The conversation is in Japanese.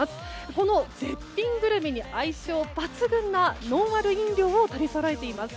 この絶品グルメに相性抜群なノンアル飲料を取りそろえています。